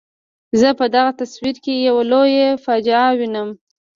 زه په دغه تصویر کې یوه لویه فاجعه وینم.